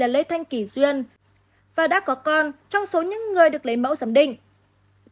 lê thanh kỳ duyên và đã có con trong số những người được lấy mẫu giám định